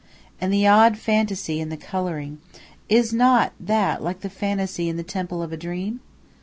And the odd fantasy in the coloring, is not that like the fantasy in the temple of a dream?